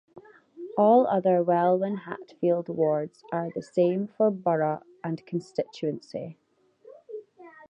All other Welwyn Hatfield wards are the same for Borough and Constituency.